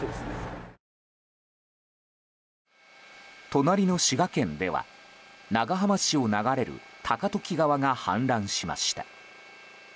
隣の滋賀県では長浜市を流れる高時川が氾濫しました。